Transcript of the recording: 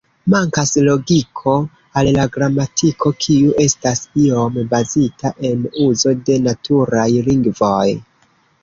Mankas logiko al la gramatiko kiu estas iom bazita en uzo de naturaj lingvoj.